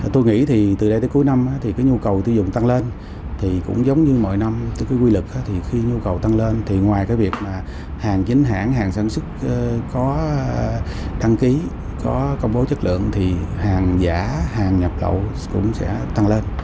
tôi nghĩ thì từ đây tới cuối năm thì cái nhu cầu tiêu dùng tăng lên thì cũng giống như mọi năm cái quy lực thì khi nhu cầu tăng lên thì ngoài cái việc mà hàng chính hãng hàng sản xuất có đăng ký có công bố chất lượng thì hàng giả hàng nhập lậu cũng sẽ tăng lên